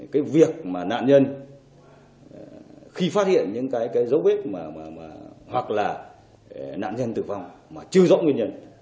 cái việc mà nạn nhân khi phát hiện những cái dấu vết hoặc là nạn nhân tử vong mà chưa rõ nguyên nhân